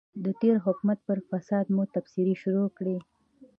د تېر حکومت پر فساد مو تبصرې شروع کړې.